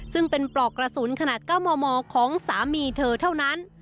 ซึ่งเป็นปลอกกระสุนขนาด๙มมของสามีเธอเท่านั้น